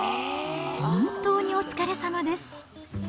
本当にお疲れさまです。